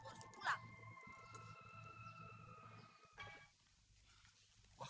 apa yang celaka ruslan